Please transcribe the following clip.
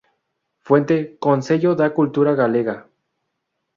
Fuente:Consello da Cultura Galega